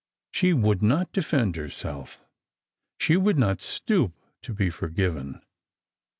She f/ould not defend herself — she would not stoop to be forgiven.